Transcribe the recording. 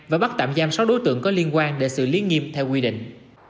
và bắt tạm giam sáu đối tượng có liên quan để xử lý nghiêm theo quy định